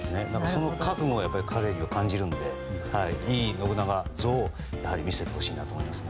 その覚悟を彼には感じるのでいい信長像を見せてほしいなと思います。